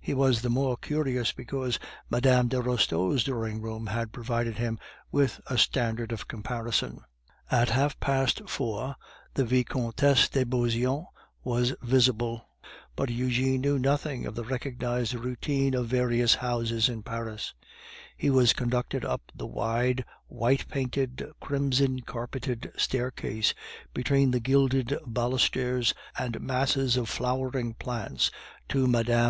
He was the more curious, because Mme. de Restaud's drawing room had provided him with a standard of comparison. At half past four the Vicomtesse de Beauseant was visible. Five minutes earlier she would not have received her cousin, but Eugene knew nothing of the recognized routine of various houses in Paris. He was conducted up the wide, white painted, crimson carpeted staircase, between the gilded balusters and masses of flowering plants, to Mme.